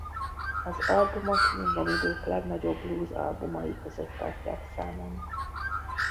Az albumot minden idők legnagyobb blues-albumai között tartják számon.